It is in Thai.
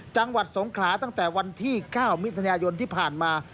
จังหวัดสงขลาตั้งแต่วันที่๙มิถุนายนที่ผ่านมา